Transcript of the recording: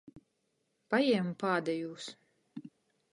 Pajiemu pādejūs.